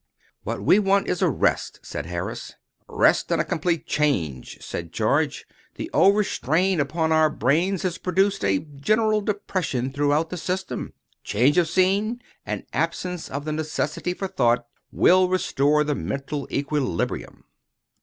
"What we want is rest," said Harris. "Rest and a complete change," said George. "The overstrain upon our brains has produced a general depression throughout the system. Change of scene, and absence of the necessity for thought, will restore the mental equilibrium."